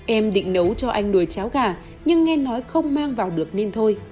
em định nấu cho anh đùi cháo gà nhưng nghe nói không mang vào được nên thôi